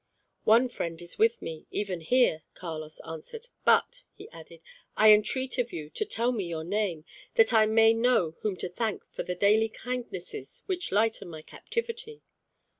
"One friend is with me, even here," Carlos answered. "But," he added, "I entreat of you to tell me your name, that I may know whom to thank for the daily kindnesses which lighten my captivity."